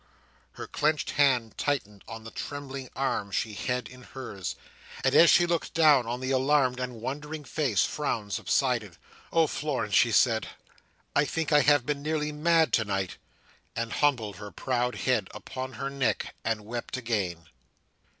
Her clenched hand tightened on the trembling arm she had in hers, and as she looked down on the alarmed and wondering face, frown subsided. "Oh Florence!" she said, "I think I have been nearly mad tonight!" and humbled her proud head upon her neck and wept again.